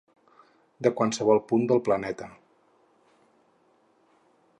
De qualsevol punt del planeta.